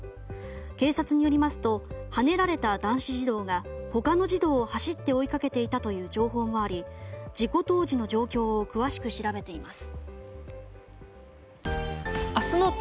警察によりますとはねられた男子児童は他の児童を走って追いかけていたという情報もあり、事故当時の状況を詳しく調べています。